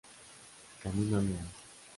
Camino leal.